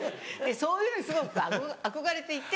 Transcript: そういうのにすごく憧れていて。